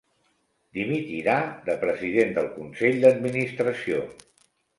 Dimitirà de president del consell d'administració.